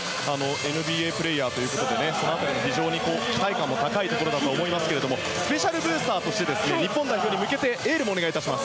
ＮＢＡプレーヤーということでその辺りも非常に期待感も高いところだと思いますけどスペシャルブースターとして日本代表に向けてエールもお願いいたします。